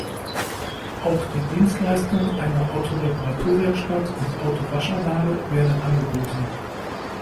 Auch die Dienstleistung einer Auto-Reparaturwerkstatt und Auto-Waschanlage werden angeboten.